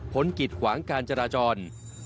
กิดขวางการจราจร